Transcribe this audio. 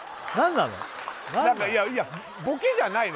なんかいやボケじゃないの？